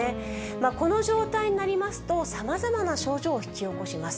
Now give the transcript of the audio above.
この状態になりますと、さまざまな症状を引き起こします。